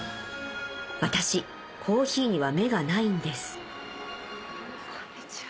私珈琲には目がないんですこんにちは。